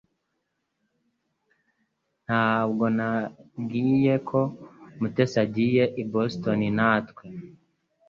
Ntabwo wambwiye ko Mutesi agiye i Boston natwe